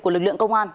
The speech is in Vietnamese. của lực lượng công an